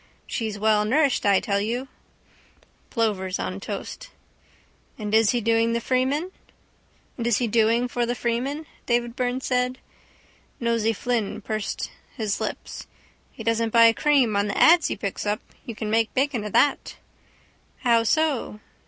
She's well nourished, I tell you. Plovers on toast. —And is he doing for the Freeman? Davy Byrne said. Nosey Flynn pursed his lips. —He doesn't buy cream on the ads he picks up. You can make bacon of that. —How so?